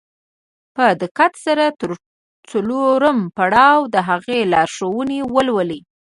په دقت سره تر څلورم پړاوه د هغې لارښوونې ولولئ.